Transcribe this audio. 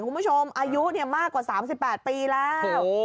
คุณผู้ชมอายุมากกว่า๓๘ปีแล้ว